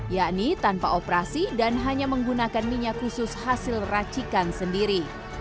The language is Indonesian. yakni tanpa operasi dan hanya menggunakan minyak khusus hasil racikan sendiri